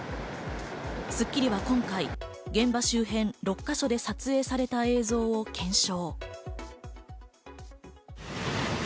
『スッキリ』は今回、現場周辺６か所で撮影された映像を検証。